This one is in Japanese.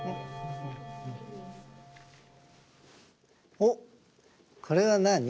おっこれはなに？